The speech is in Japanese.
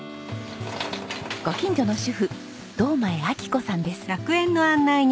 ご近所の主婦堂前明子さんです。